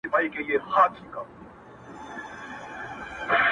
اوس به څوك رايادوي تېري خبري!